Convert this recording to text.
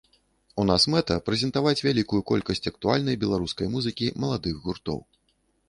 У нас мэта прэзентаваць вялікую колькасць актуальнай беларускай музыкі маладых гуртоў.